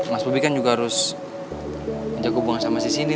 mas bubi kan juga harus menjaga hubungan sama sindi